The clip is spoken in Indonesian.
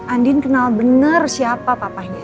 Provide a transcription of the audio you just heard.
andin kenal bener siapa papahnya